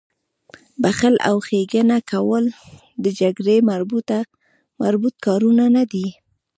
بخښل او ښېګڼه کول د جګړې مربوط کارونه نه دي